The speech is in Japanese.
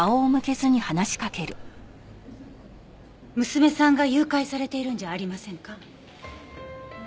娘さんが誘拐されているんじゃありませんか？